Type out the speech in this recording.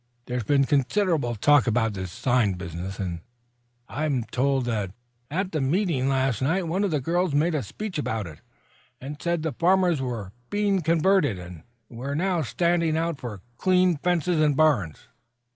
"There's been considerable talk about this sign business, and I'm told that at the meeting last night one of the girls made a speech about it, and said the farmers were being converted, and were now standing out for clean fences and barns."